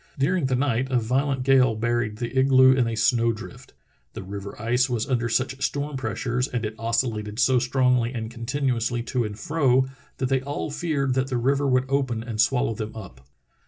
During the night a violent gale buried the igloo in a snow drift. The river ice was under such storm pressures and it oscillated so strongly and continuously to and fro that they all feared that the river would open and swallow them up.